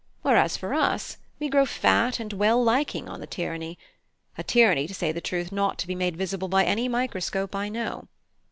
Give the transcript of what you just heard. Whereas for us, we grow fat and well liking on the tyranny; a tyranny, to say the truth, not to be made visible by any microscope I know.